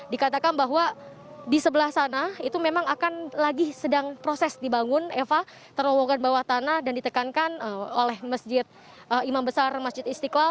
dikatakan bahwa di sebelah sana itu memang akan lagi sedang proses dibangun eva terowongan bawah tanah dan ditekankan oleh masjid imam besar masjid istiqlal